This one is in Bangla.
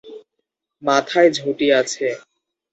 মাথায় ঝুঁটি আছে।